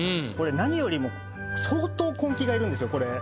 何よりも相当根気がいるんですよこれ。